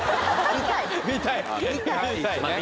見たいね。